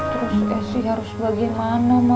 terus esi harus bagaimana mak